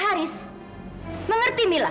pak gak usah